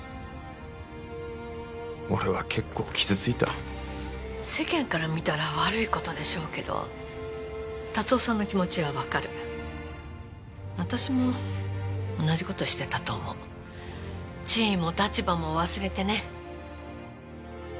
俺は結構傷ついた世間から見たら悪いことでしょうけど達雄さんの気持ちは分かる私も同じことしてたと思う地位も立場も忘れてね